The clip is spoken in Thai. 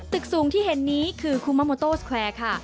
ตึกสูงที่เห็นนี้คือคุมาโมโตสแควร์ค่ะ